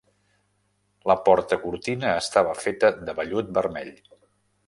La porta-cortina estava feta de vellut vermell.